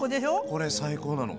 これ最高なの。